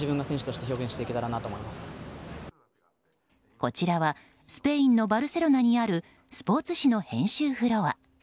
こちらはスペインのバルセロナにあるスポーツ紙の編集フロア。